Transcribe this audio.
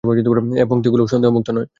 এ পংক্তিগুলোও সন্দেহমুক্ত নয়।